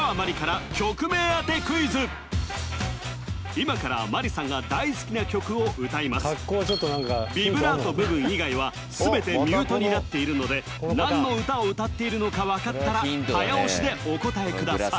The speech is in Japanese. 今からマリさんが大好きな曲を歌いますになっているので何の歌を歌っているのか分かったら早押しでお答えください